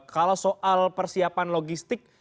kalau soal persiapan logistik